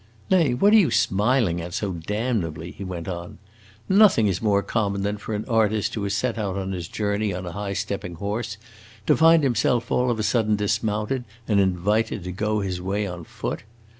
Nay, what are you smiling at so damnably?" he went on. "Nothing is more common than for an artist who has set out on his journey on a high stepping horse to find himself all of a sudden dismounted and invited to go his way on foot.